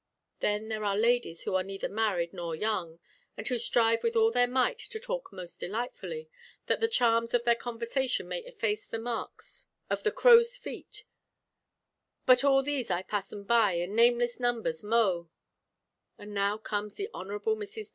Then there are ladies who are neither married nor young, and who strive with all their might to talk most delightfully, that the charms of their conversation may efface the marks of the crows' feet; but 'all these I passen by, and nameless numbers moe.' And now comes the Hon. Mrs.